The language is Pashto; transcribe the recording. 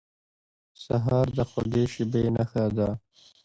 سهار د خوږې شېبې نښه ده.